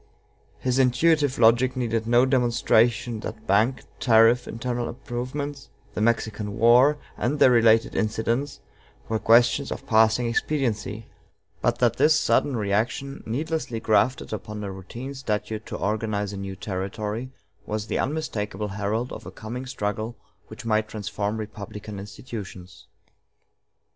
His intuitive logic needed no demonstration that bank, tariff, internal improvements, the Mexican War, and their related incidents, were questions of passing expediency; but that this sudden reaction, needlessly grafted upon a routine statute to organize a new territory, was the unmistakable herald of a coming struggle which might transform republican institutions.